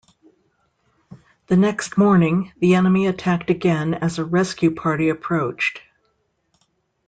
The next morning, the enemy attacked again as a rescue party approached.